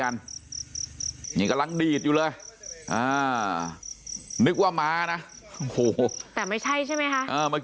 อย่างงี้กำลังดีดอยู่เลยนึกว่ามานะแต่ไม่ใช่ใช่ไหมค่ะ